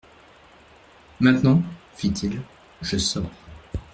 Maintenant, fit-il, je sors.